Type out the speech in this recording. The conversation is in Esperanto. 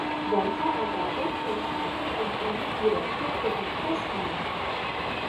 Venta agado plejparte en unu direkto produktas ilin.